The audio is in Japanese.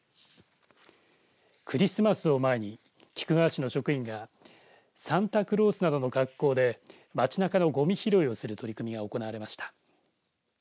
クリスマスを前に菊川市の職員がサンタクロースなどの格好で街なかのごみ拾いをする取り組みが行われました。